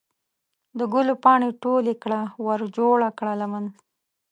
د ګلو پاڼې ټولې کړه ورجوړه کړه لمن